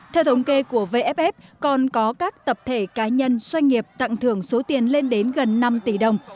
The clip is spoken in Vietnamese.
theo thống kê của vff còn có các tập thể cá nhân xoay nghiệp tặng thưởng số tiền lên đến gần năm tỷ đồng